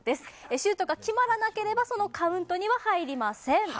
シュートが決まらなければ、そのカウントには入りません。